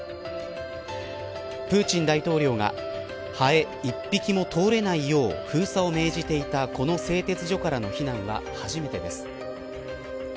プーチン大統領がハエ１匹も通れないよう封鎖を命じていたこの製鉄所からの避難は初めてです。